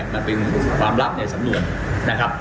มันเป็นความลับในสำนวนนะครับ